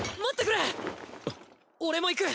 俺も行く。